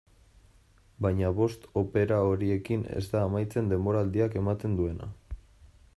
Baina bost opera horiekin ez da amaitzen denboraldiak ematen duena.